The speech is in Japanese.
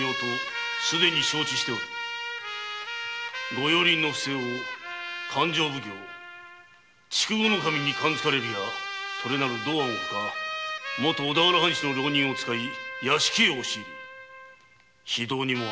御用林の不正を勘定奉行・筑後守に感づかれるやそれなる道庵ほかもと小田原藩士の浪人を使い屋敷に押し入り非道にも暗殺致した。